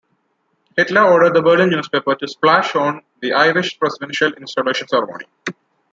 Hitler "ordered" the Berlin newspapers "to splash" on the Irish presidential installation ceremony.